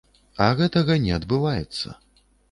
А гэтага не адбываецца.